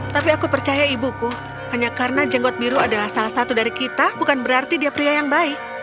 tapi aku percaya ibuku hanya karena jenggot biru adalah salah satu dari kita bukan berarti dia pria yang baik